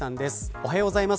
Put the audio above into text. おはようございます。